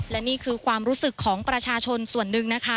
และนี่คือความรู้สึกของประชาชนส่วนหนึ่งนะคะ